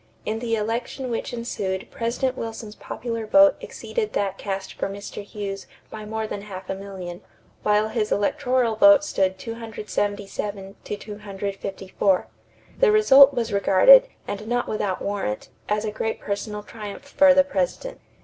In the election which ensued President Wilson's popular vote exceeded that cast for Mr. Hughes by more than half a million, while his electoral vote stood 277 to 254. The result was regarded, and not without warrant, as a great personal triumph for the President.